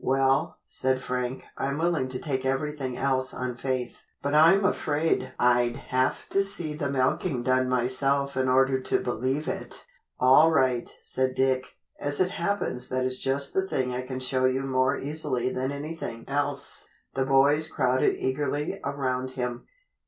"Well," said Frank, "I'm willing to take everything else on faith, but I'm afraid I'd have to see the milking done myself in order to believe it." "All right," said Dick, "as it happens that is just the thing I can show you more easily than anything else." The boys crowded eagerly around him.